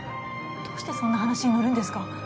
どうしてそんな話に乗るんですか？